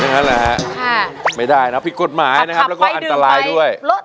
นั่นแหละฮะไม่ได้นะผิดกฎหมายนะครับแล้วก็อันตรายด้วย